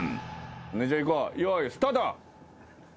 それじゃあいこうよーいスタート。